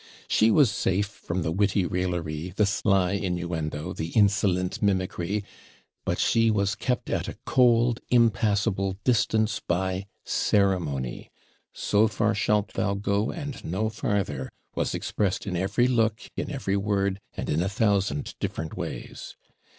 She was safe from the witty raillery, the sly innuendo, the insolent mimicry; but she was kept at a cold, impassable distance, by ceremony 'So far shalt thou go, and no farther' was expressed in every look, in every word, and in a thousand different ways.